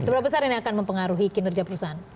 seberapa besar ini akan mempengaruhi kinerja perusahaan